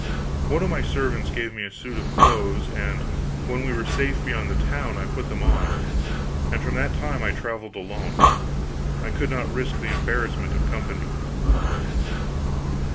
One of my servants gave me a suit of clothes, and when we were safe beyond the town I put them on, and from that time I traveled alone; I could not risk the embarrassment of company.